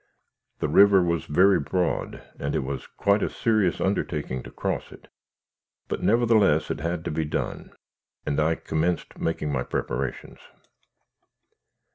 The river was very broad, and it was quite a serious undertaking to cross it; but, nevertheless, it had to be done, and I commenced making my preparations.